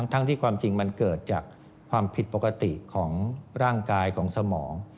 ทั้งที่ความจริงมันเกิดจากความผิดปกติของร่างกายของสมอง